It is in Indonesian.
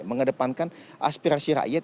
mengedepankan aspirasi rakyat